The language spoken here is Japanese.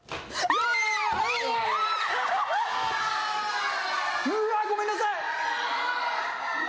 ああーうわごめんなさい！